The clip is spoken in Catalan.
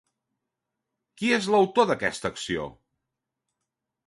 Qui és l'autor d'aquesta acció?